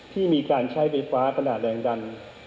ที่มีการใช้ไฟฟ้าขนาดแรงดัน